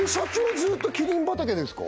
ずっとキリン畑ですか？